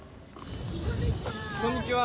こんにちは！